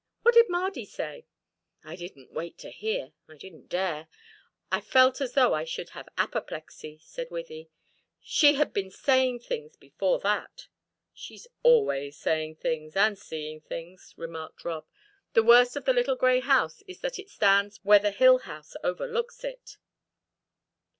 What did Mardy say?" "I didn't wait to hear I didn't dare. I felt as though I should have apoplexy," said Wythie. "She had been saying things before that." "She's always saying things and seeing things," remarked Rob. "The worst of the little grey house is that it stands where the hill house overlooks it."